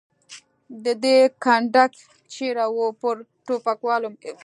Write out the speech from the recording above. د ده کنډک چېرې و؟ پر ټوپکوالو مې.